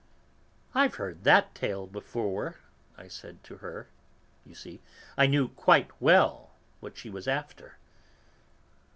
'I've heard that tale before,' I said to her; you see, I knew quite well what she was after."